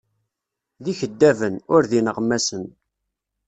D ikeddaben, ur d ineɣmasen.